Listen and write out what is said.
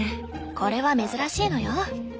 これは珍しいのよ。